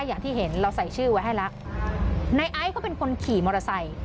อย่างที่เห็นเราใส่ชื่อไว้ให้แล้วนายไอซ์ก็เป็นคนขี่มอเตอร์ไซค์